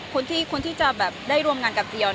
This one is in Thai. คนที่จะแบบได้รวมงานกับเจียว